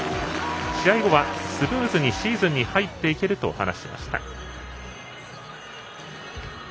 試合後は、スムーズにシーズンに入っていけると話しました。